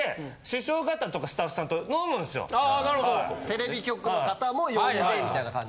テレビ局の方も呼んでみたいな感じ。